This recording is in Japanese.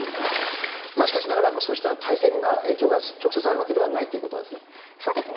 しかしながらそうした体制に影響が直接あるわけではないというこそうですね。